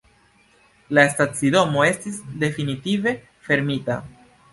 La stacidomo estis definitive fermita.